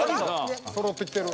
そろってきてる。